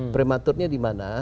prematurnya di mana